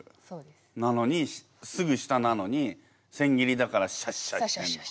なのにすぐ下なのに千切りだからシャッシャッシャッ。